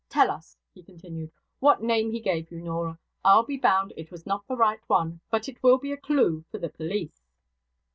Tell us,' he continued, 'what name he gave you, Norah. I'll be bound, it was not the right one; but it will be a clue for the police.'